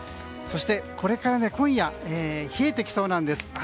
そして、これから今夜冷えてきそうなんです。